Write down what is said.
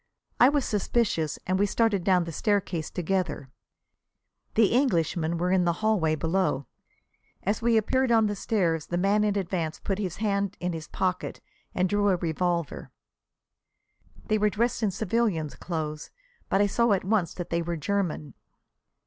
I was suspicious and we started down the staircase together. The 'Englishmen' were in the hallway below. As we appeared on the stairs the man in advance put his hand in his pocket and drew a revolver. They were dressed in civilians' clothes, but I saw at once that they were German.